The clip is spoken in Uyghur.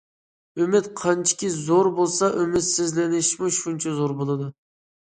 ئۈمىد قانچىكى زور بولسا ئۈمىدسىزلىنىشمۇ شۇنچە زور بولىدۇ.